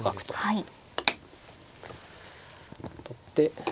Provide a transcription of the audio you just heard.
はい。